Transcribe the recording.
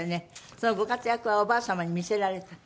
そのご活躍はおばあ様に見せられた？